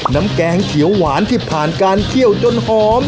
แกงเขียวหวานที่ผ่านการเคี่ยวจนหอม